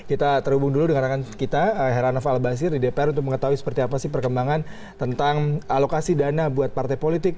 sebelum diaulat kita terhubung dulu dengan rakan kita heranov albasir di dpr untuk mengetahui seperti apa sih perkembangan tentang alokasi dana buat partai politik